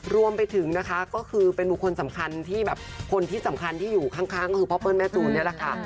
รวมไปถึงนะคะก็คือเป็นบุคคลสำคัญที่แบบคนที่สำคัญที่อยู่ข้างก็คือพ่อเปิ้ลแม่จูนนี่แหละค่ะ